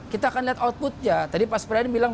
kita akan lihat outputnya tadi pak supriyadi bilang